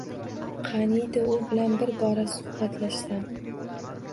Qaniydi, u bilan bir bora suhbatlashsam!